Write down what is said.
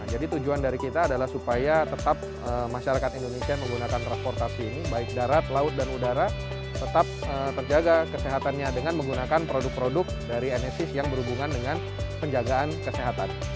jadi tujuan dari kita adalah supaya tetap masyarakat indonesia yang menggunakan transportasi ini baik darat laut dan udara tetap terjaga kesehatannya dengan menggunakan produk produk dari enesis yang berhubungan dengan penjagaan kesehatan